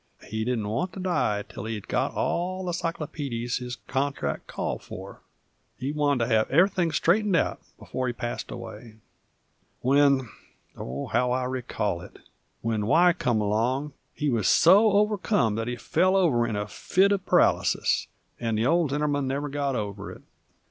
He didn't want to die till he'd got all the cyclopeedies his contract called for; he wanted to have everything straightened out before he passed away. When oh, how well I recollect it when Y come along he wuz so overcome that he fell over in a fit uv paralysis, 'nd the old gentleman never got over it.